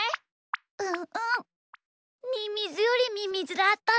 うんうんミミズよりミミズだったね。